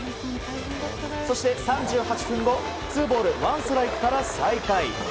そして３８分後ツーボールワンストライクから再開。